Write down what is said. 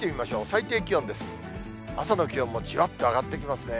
朝の気温もじわっと上がってきますね。